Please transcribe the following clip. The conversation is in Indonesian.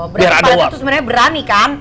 berarti pak rete tuh sebenernya berani kan